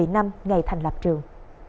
một trăm một mươi năm ngày thành lập trường